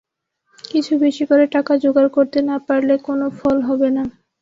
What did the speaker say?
কিছু বেশি করে টাকা জোগাড় করতে না পারলে কোনো ফল হবে না।